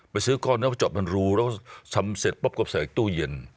ไปซื้อก้อนเนื้อจอบกันรู้แล้วทำเสร็จป๊อบกลับใส่อีกตู้เย็น